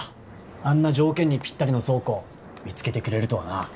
あんな条件にピッタリの倉庫見つけてくれるとはな。